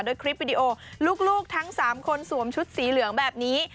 โดยคลิปวิดีโอลูกทั้ง๓คนสวมชุดสีเหลืองแบบนี้